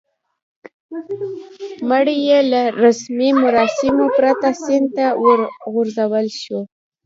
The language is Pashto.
مړی یې له رسمي مراسمو پرته سیند ته ور وغورځول شو.